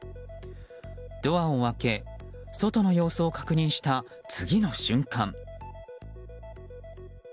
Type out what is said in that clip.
ドアを開け、外の様子を確認した次の瞬間。